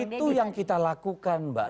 itu yang kita lakukan mbak